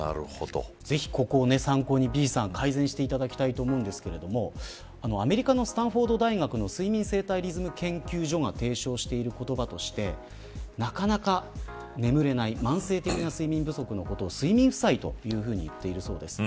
ぜひここを参考に、Ｂさん改善していただきたいと思うんですけどアメリカのスタンフォード大学の睡眠生体リズム研究所が提唱している言葉としてなかなか眠れない慢性的な睡眠不足のことを睡眠負債と言っているそうです。